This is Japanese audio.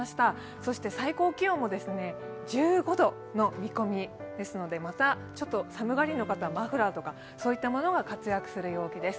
そして最高気温も１５度の見込みですので、またちょっと寒がりの方はマフラーとかが活躍する陽気です。